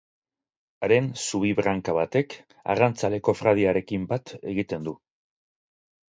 Haren zubi‑branka batek arrantzale‑kofradiarekin bat egiten du.